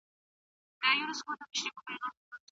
لښتې په خپلو لاسو کې تودوخه حس کړه.